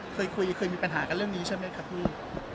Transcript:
เคยคุยเคยมีปัญหากันเรื่องนี้ใช่ไหมครับพี่